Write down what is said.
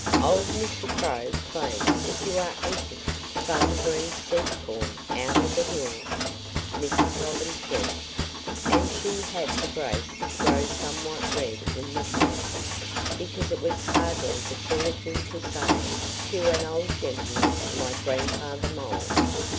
"Old Mr. Crow claims that you are eating Farmer Green's seed corn out of the hills," Mrs. Robin said. And she had the grace to grow somewhat red in the face, because it was hardly the sort of thing to say to an old gentleman like Grandfather Mole.